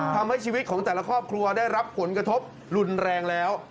ทำให้ชีวิตของแต่ละครอบครัวได้รับผลกระทบรุนแรงแล้ว